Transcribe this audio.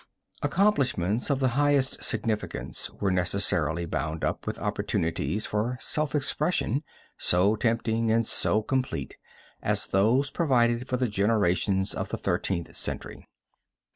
Accomplishments of the highest significance were necessarily bound up with opportunities for self expression, so tempting and so complete, as those provided for the generations of the Thirteenth Century.